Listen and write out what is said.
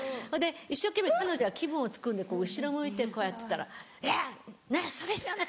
一生懸命彼女は気分をつくるんで後ろ向いてこうやってたら「ねぇねぇそうですよね